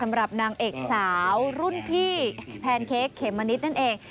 สำหรับนางเอกสาวรุ่นพี่แพนเค้กเขมมะนิดนั่นเอง